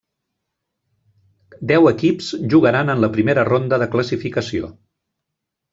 Deu equips jugaran en la primera ronda de classificació.